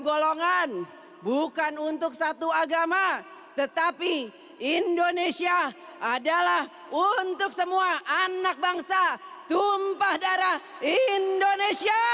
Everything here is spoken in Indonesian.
golongan bukan untuk satu agama tetapi indonesia adalah untuk semua anak bangsa tumpah darah indonesia